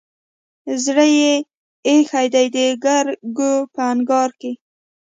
زړه يې ايښی دی دګرګو په انګار کې